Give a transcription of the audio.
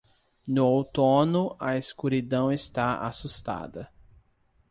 No outono, a escuridão está assustada.